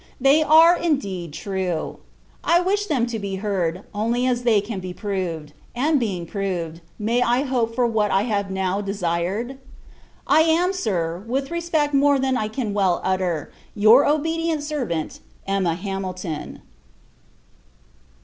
They are, indeed, true. I wish them to be heard, only as they can be proved; and, being proved, may I hope for what I have now desired? I am, Sir, with respect more than I can well utter, your obedient servant, EMMA HAMILTON.